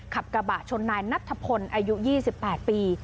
ขับกระบะชนนายนัทธพลอายุ๒๘ปี